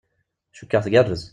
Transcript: Cukkeɣ tgerrez.